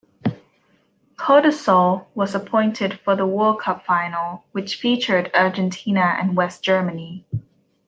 Codesal was appointed for the World Cup final, which featured Argentina and West Germany.